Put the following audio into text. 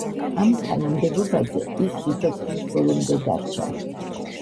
ამ თანამდებობაზე ის სიცოცხლის ბოლომდე დარჩა.